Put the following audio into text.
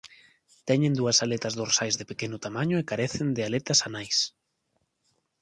Teñen dúas aletas dorsais de pequeno tamaño e carecen de aletas anais.